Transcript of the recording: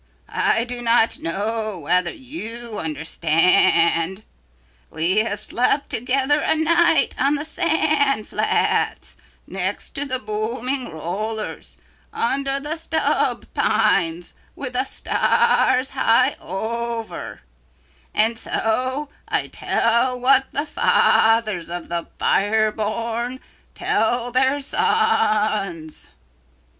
I do not know whether you understand. We have slept together a night on the sand flats next to the booming rollers, under the stub pines with the stars high over and so I tell what the fathers of the fire born tell their sons."